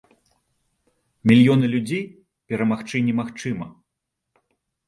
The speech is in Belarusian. Мільёны людзей перамагчы немагчыма!